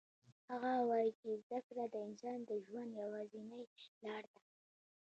هغه وایي چې زده کړه د انسان د ژوند یوازینی لار ده